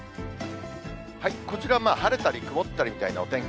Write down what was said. こちら、晴れたり曇ったりみたいなお天気。